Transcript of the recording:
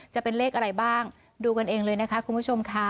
จะเป็นเลขอะไรบ้างดูกันเองเลยนะคะคุณผู้ชมค่ะ